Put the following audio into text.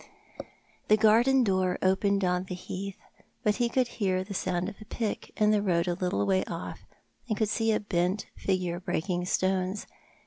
The garden door opened on the heath, but he could hear the sound of a pick in the road a little way ofif, and could sec a bent figure breaking stones.